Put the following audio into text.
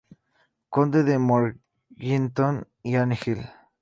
Conde de Mornington y Anne Hill.